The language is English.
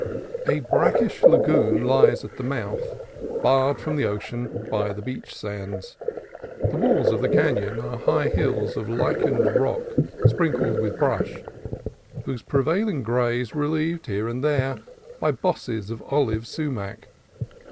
A brackish lagoon lies at the mouth, barred from the ocean by the beach sands. The walls of the canon are high hills of lichened rock, sprinkled with brush whose prevailing gray is relieved here and there by bosses of olive sumach.